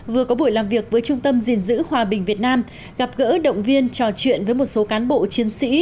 vừa có buổi làm việc với trung tâm gìn giữ hòa bình việt nam gặp gỡ động viên trò chuyện với một số cán bộ chiến sĩ